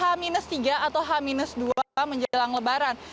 atau h dua menjelang lebaran